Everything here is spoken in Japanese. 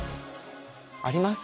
あります？